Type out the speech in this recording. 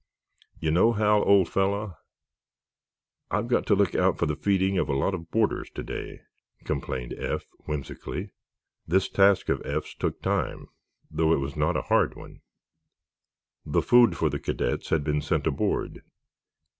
"You know, Hal, old fellow, I've got to look out for the feeding of a lot of boarders to day," complained Eph, whimsically. This task of Eph's took time, though it was not a hard one. The food for the cadets had been sent aboard.